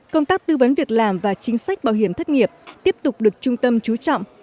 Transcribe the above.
công tác tư vấn việc làm và chính sách bảo hiểm thất nghiệp tiếp tục được trung tâm chú trọng